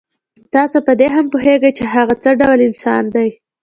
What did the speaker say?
تاسو په دې هم پوهېږئ چې هغه څه ډول انسان دی.